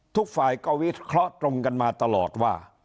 ทุกฝ่ายเกาวิทย์เคลาตรมกันมาตลอดว่า